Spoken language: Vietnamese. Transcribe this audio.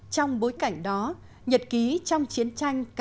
trong bối cảnh đó nhật ký trong chiến tranh